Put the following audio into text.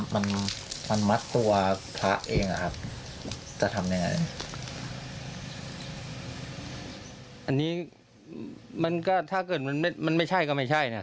ตามสู้คดีเลยครับ